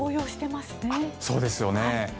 そうですよね。